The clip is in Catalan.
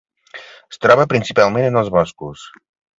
Es troba principalment en els boscos.